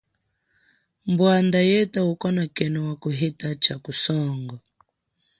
Bwanda yeta ukonekeno wakuheta cha kusongo.